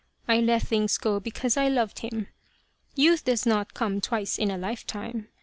I let things go because I loved him. Youth does not come twice in a life time.